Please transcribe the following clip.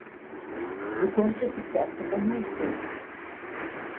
Зыгуэркӏэ сыбдэӏэпыкъуну ухуэй?